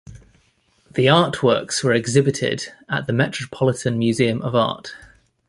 The artworks were exhibited at the Metropolitan Museum of Art.